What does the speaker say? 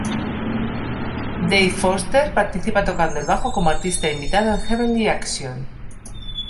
Dave Foster participa tocando el bajo como artista invitado en Heavenly Action.